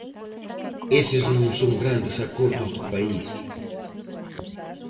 Eses non son grandes acordos de país.